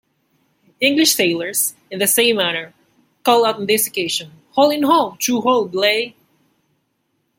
English sailors, in the same manner, call out on this occasion,-haul-in-haul-two-haul-belay!